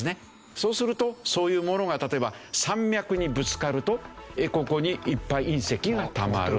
そうするとそういうものが例えば山脈にぶつかるとここにいっぱい隕石がたまる。